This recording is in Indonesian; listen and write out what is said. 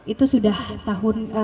itu sudah tahun